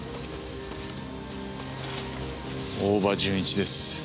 大庭純一です。